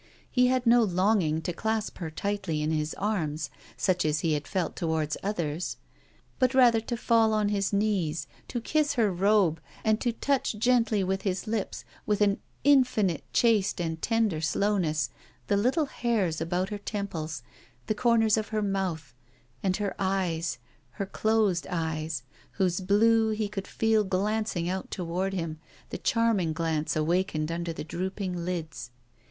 He had no longing to clasp her tightly in his arms, such as he had felt toward others, but rather to fall on his knees, to kiss her robe, and to touch gently with his lips, with an infinitely chaste and tender slowness, the little hairs about her temples, the corners of her mouth, and her eyes, her closed eyes, whose blue he could feel glancing out toward him, the charming glance awakened under the drooping lids.